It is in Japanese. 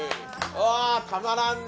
ああたまらんね